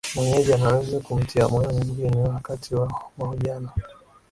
mwenyeji anaweza kumtia moyo mgeni wakati wa mahojiano